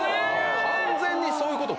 完全にそういうことか。